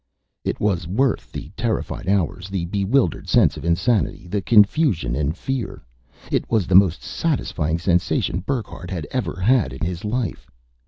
It was worth the terrified hours, the bewildered sense of insanity, the confusion and fear. It was the most satisfying sensation Burckhardt had ever had in his life.